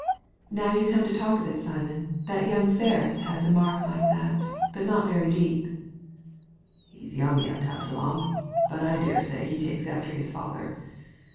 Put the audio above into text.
* Now you come to talk of it, Simon, that young Ferris has a mark like that, but not very deep." He's young yet, Absalom ; but I dare say he takes after his father.